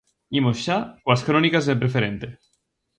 Imos xa coas crónicas de Preferente.